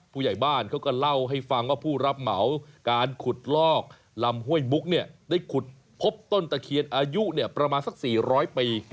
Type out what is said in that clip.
ผู้ใหญ่บ้านเขาก็เล่าให้ฟังว่าผู้รับเหมาการขุดลอกลำห้วยบุ๊กเนี่ยได้ขุดพบต้นตะเคียนอายุประมาณสัก๔๐๐ปี